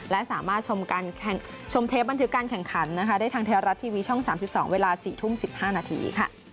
และสามารถชมเทปบันทึกการแข่งขันนะคะได้ทางไทยรัฐทีวีช่อง๓๒เวลา๔ทุ่ม๑๕นาที